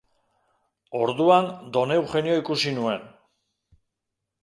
Orduan, don Eugenio ikusi nuen.